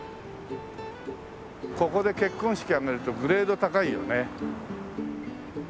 ここで結婚式挙げるとグレード高いよね。